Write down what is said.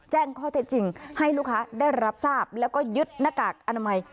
แจ้งข้อเท็จจริงให้ลูกค้าได้รับทราบแล้วก็ยึดหน้ากากอนามัย